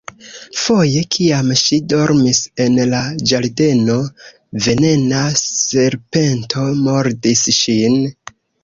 Foje, kiam ŝi dormis en la ĝardeno, venena serpento mordis ŝin.